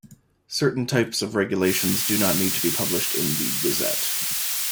Certain types of regulations do not need to be published in the "Gazette".